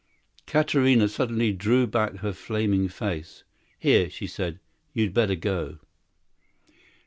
Katarina suddenly drew back her flaming face. "Here," she said, "you better go."